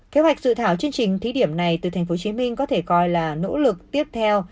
kế hoạch dự thảo chương trình thí điểm này từ tp hcm có thể coi là nỗ lực tiếp theo